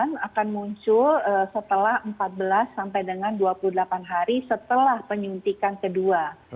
karena ini memang akan muncul setelah empat belas sampai dengan dua puluh delapan hari setelah penyuntikan kedua